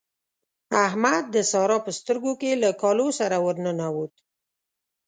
احمد د سارا په سترګو کې له کالو سره ور ننوت.